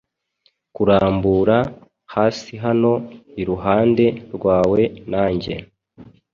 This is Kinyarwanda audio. Kurambura hasihano iruhande rwawe nanjye